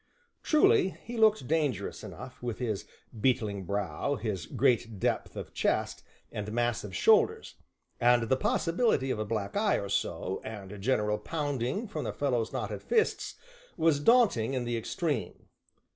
Truly, he looked dangerous enough, with his beetling brow, his great depth of chest, and massive shoulders; and the possibility of a black eye or so, and general pounding from the fellow's knotted fists, was daunting in the extreme.